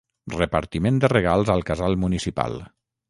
Repartiment de regals al casal municipal.